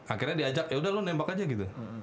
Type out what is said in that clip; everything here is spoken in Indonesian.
akhirnya diajak yaudah lu nembak aja gitu